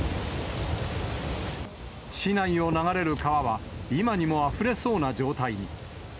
市内を流れる川は、今にもあふれそうな状態に。